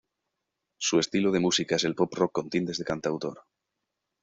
Su estilo de música es el pop rock con tintes de cantautor.